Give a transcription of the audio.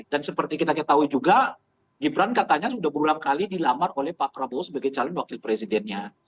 dan seperti kita ketahui juga gibran katanya sudah berulang kali dilamar oleh pak prabowo sebagai calon wakil presidennya